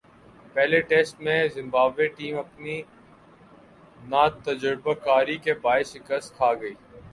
پہلے ٹیسٹ میں Zimbabwe team اپنی ناتجربہ کاری کے باعث شکست کھاگئی